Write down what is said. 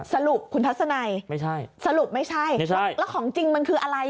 สรุปคุณทัศนัยไม่ใช่สรุปไม่ใช่แล้วของจริงมันคืออะไร